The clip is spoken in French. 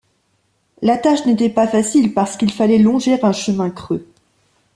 La tâche n'était pas facile parce qu'il fallait longer un chemin creux.